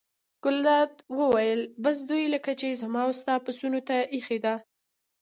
ګلداد وویل: بس دوی لکه چې زما او ستا پسونو ته اېښې ده.